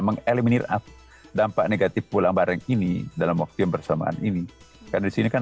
mengeliminir dampak negatif pulang barang ini dalam waktu yang bersamaan ini karena disini kan